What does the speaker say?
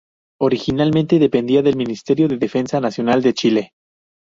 Originalmente dependía del Ministerio de Defensa Nacional de Chile.